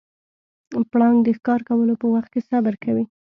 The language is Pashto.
پړانګ د ښکار کولو په وخت کې صبر کوي.